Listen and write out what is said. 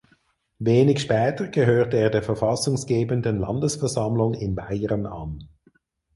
Wenig später gehörte er der Verfassunggebenden Landesversammlung in Bayern an.